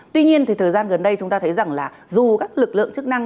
tuy nhiên thì thời gian gần đây chúng ta thấy rằng là dù các lực lượng chức năng